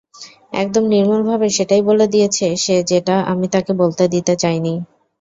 একদম নির্ভুলভাবে সেটাই বলে দিয়েছে সে যেটা আমি তাকে বলতে দিতে চাইনি।